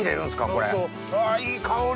これあっいい香り！